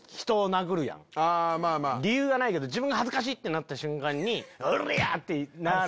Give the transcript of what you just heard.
理由はないけど自分が恥ずかしい！ってなった瞬間にオリャ！ってなる。